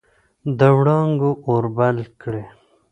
د وړانګو اور بل کړي